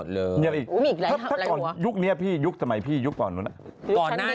ในเงียวนี้พี่ยุคสมัยพี่ยุคก่อนนั้น